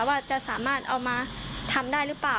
ว่าจะสามารถเอามาทำได้หรือเปล่า